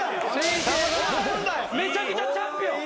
めちゃくちゃチャンピオン！